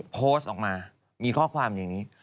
โพสต์ออกมามีข้อความอย่างนี้